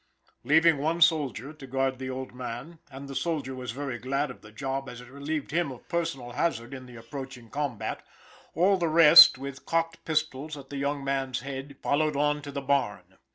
Leaving one soldier to guard the old man and the soldier was very glad of the job, as it relieved him of personal hazard in the approaching combat all the rest, with cocked pistols at the young man's head, followed on to the barn.